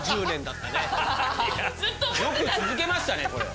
よく続けましたねこれ。